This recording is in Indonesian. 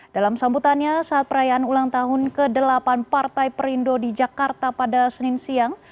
dalam sambutannya saat perayaan ulang tahun ke delapan partai perindo di jakarta pada senin siang